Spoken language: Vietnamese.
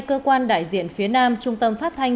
trong đại diện phía nam trung tâm phát thanh